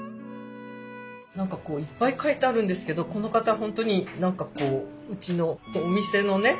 何かこういっぱい書いてあるんですけどこの方本当に何かうちのお店のね